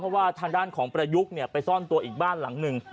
เพราะว่าทางด้านของประยุกต์ไปซ่อนตัวอีกบ้านหลังหนึ่ง